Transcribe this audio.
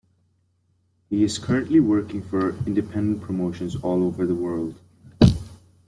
He is currently working for independent promotions all over the world.